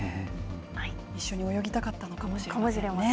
一緒に泳ぎたかったのかもしれませんね。